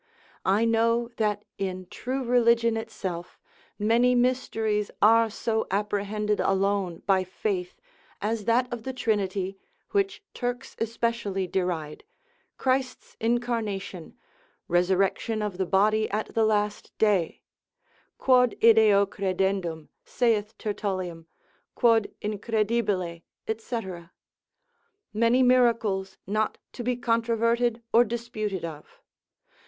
I know that in true religion itself, many mysteries are so apprehended alone by faith, as that of the Trinity, which Turks especially deride, Christ's incarnation, resurrection of the body at the last day, quod ideo credendum (saith Tertullian) quod incredible, &c. many miracles not to be controverted or disputed of.